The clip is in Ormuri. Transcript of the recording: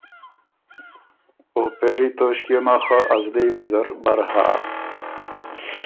او پېری توݭکيې مه خه ا زلی ویزر بر هۀ۔